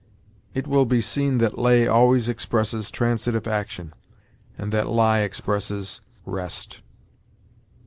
It will be seen that lay always expresses transitive action, and that lie expresses rest.